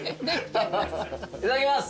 いただきます！